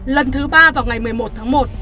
lần thứ ba vào ngày một mươi một tháng một